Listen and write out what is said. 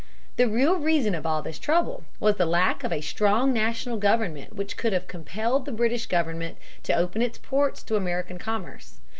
The real reason of all this trouble was the lack of a strong national government which could have compelled the British government to open its ports to American commerce.